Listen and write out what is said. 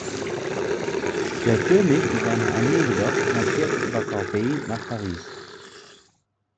Der König und seine Armee jedoch marschierten über Corbeil nach Paris.